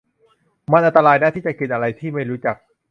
มันอันตรายนะที่จะกินอะไรที่ไม่รู้จัก